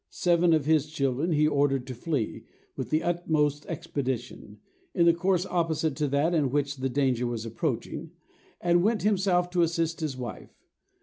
Seven of his children he ordered to flee, with the utmost expedition, in the course opposite to that in which the danger was approaching; and went himself to assist his wife.